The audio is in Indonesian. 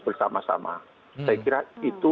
bersama sama saya kira itu